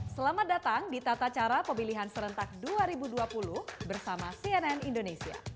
selamat datang di tata cara pemilihan serentak dua ribu dua puluh bersama cnn indonesia